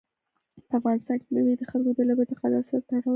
په افغانستان کې مېوې د خلکو له بېلابېلو اعتقاداتو سره تړاو لري.